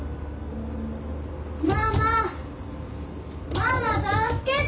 ママ助けて！